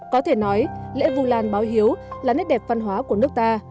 có thể nói lễ vu lan báo hiếu là nét đẹp văn hóa của nước ta